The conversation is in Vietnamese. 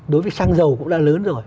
đối với xăng dầu cũng đã lớn rồi